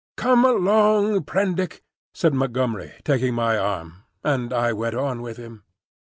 "Come along, Prendick," said Montgomery, taking my arm; and I went on with him.